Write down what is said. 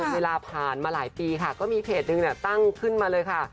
เวลาผ่านมาหลายปีค่ะก็มีเพจนึงตั้งขึ้นมาเลยค่ะ